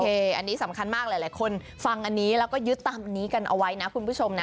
อันนี้สำคัญมากหลายคนฟังอันนี้แล้วก็ยึดตามอันนี้กันเอาไว้นะคุณผู้ชมนะ